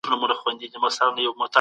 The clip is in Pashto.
له افغانستانه جلا سوي.